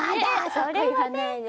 それはね。